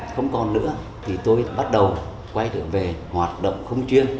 không còn nữa thì tôi bắt đầu quay trở về hoạt động không chuyên